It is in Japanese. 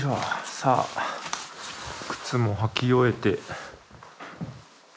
さあ靴も履き終えて。